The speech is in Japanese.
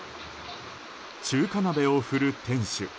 中華鍋を振る店主。